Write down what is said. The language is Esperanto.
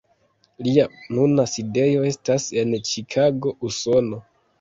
Lia nuna sidejo estas en Ĉikago, Usono.